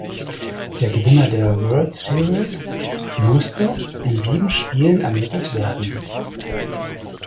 Der Gewinner der World Series musste in sieben Spielen ermittelt werden.